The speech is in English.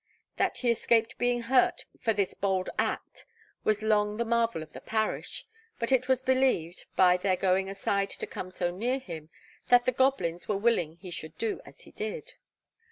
That he escaped being hurt for this bold act was long the marvel of the parish; but it was believed, by their going aside to come so near him, that the goblins were willing he should do as he did.